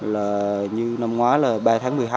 là như năm ngoái là ba tháng một mươi hai